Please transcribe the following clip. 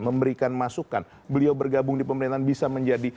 memberikan masukan beliau bergabung di pemerintahan bisa menjadi